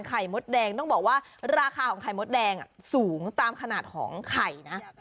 มดแดงต้องบอกว่าราคาของไข่มดแดงสูงตามขนาดของไข่นะ